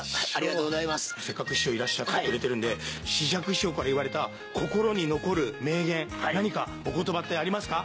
せっかく師匠いらっしゃってくれてるんで枝雀師匠から言われた心に残る名言何かお言葉ってありますか？